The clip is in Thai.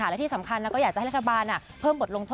และที่สำคัญก็อยากจะให้รัฐบาลเพิ่มบทลงโทษ